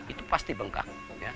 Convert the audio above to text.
itu pasti bengkak